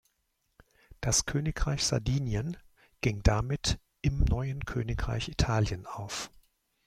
Das Königreich Sardinien ging damit im neuen Königreich Italien auf.